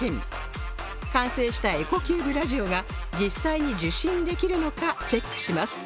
完成したエコキューブラジオが実際に受信できるのかチェックします